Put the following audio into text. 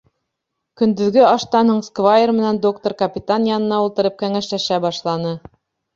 Көндөҙгө аштан һуң сквайр менән доктор капитан янына ултырып кәңәшләшә башланы.